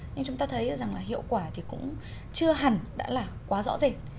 nhưng chúng ta thấy rằng là hiệu quả thì cũng chưa hẳn đã là quá rõ rệt